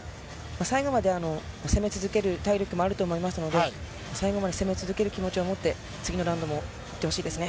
最後まで攻め続ける体力もあると思いますので、最後まで攻め続ける気持ちを持って、次のラウンドも取ってほしいですね。